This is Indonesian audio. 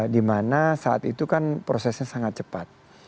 di mana saat itu kan prosesnya sangat cepat